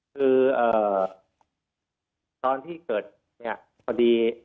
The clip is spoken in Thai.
คือเอ่อตอนที่เกิดเนี้ย